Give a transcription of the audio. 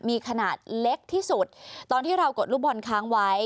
มีขนาดเล็กที่สุดตอนที่เรากดลูกบอลค้างไว้